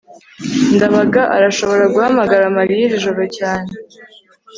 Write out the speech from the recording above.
ndabaga arashobora guhamagara mariya iri joro cyane